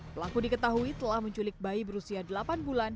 pelaku diketahui telah menculik bayi berusia delapan bulan